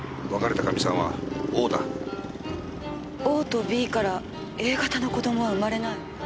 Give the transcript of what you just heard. ＯとＢからＡ型の子供は生まれない。